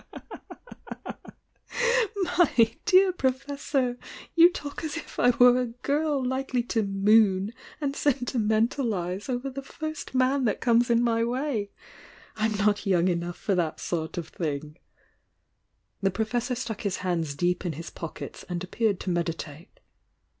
1^ im 218 TIIK YOUNG DIANA ii I. "My dear Professor I You talk as if I were a girl, likely to 'moon' and aeniunentaliae over the nnt man that comes in my way I I'm not young enough for that sort of thing." The Professor stuck his hands deep in his pockets and appeared to meditate.